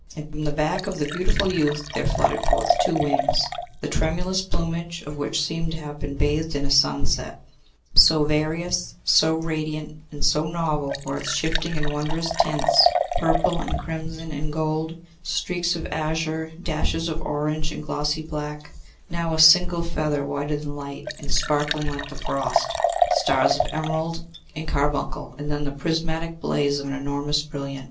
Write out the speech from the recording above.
And from the back of the beautiful youth there fluttered forth two wings, the tremulous plumage of which seemed to have been bathed in a sunset: so various, so radiant, and so novel were its shifting and wondrous tints; purple, and crimson, and gold; streaks of azure, dashes of orange and glossy black; now a single feather, whiter than light, and sparkling like the frost, stars of emerald and carbuncle, and then the prismatic blaze of an enormous brilliant!